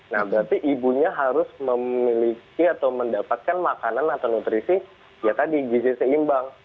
nah berarti ibunya harus memiliki atau mendapatkan makanan atau nutrisi ya tadi gizi seimbang